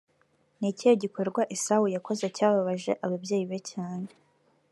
ni ikihe gikorwa esawu yakoze cyababaje ababyeyi be cyane